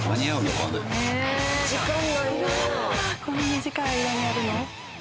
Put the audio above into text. こんな短い間にやるの？